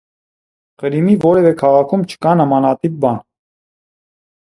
Ղրիմի որևէ այլ քաղաքում չկա նմանատիպ բան։